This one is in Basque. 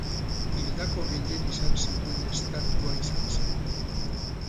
Hildako gehien izan zituen estatua izan zen.